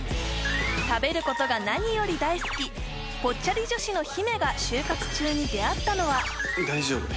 食べることが何より大好きぽっちゃり女子の陽芽が就活中に出会ったのは大丈夫